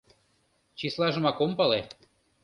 — Числажымак ом пале...